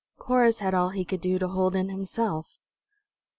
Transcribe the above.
Corrus had all he could do to hold in himself.